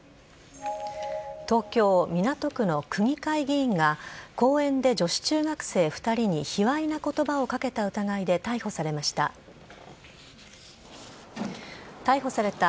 東京・港区の区議会議員が公園で女子中学生２人に卑わいな言葉を掛けた疑いで逮捕されました。